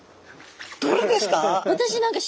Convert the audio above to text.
どれですか？